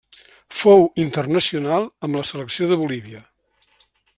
Fou internacional amb la selecció de Bolívia.